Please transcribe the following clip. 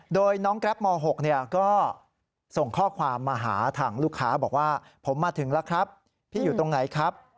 โดยน้องแกรปม๖ก็ส่งข้อความมาหาทางลูกค้าบอกว่าผมมาถึงแล้วครับพี่อยู่ตรงไหนครับ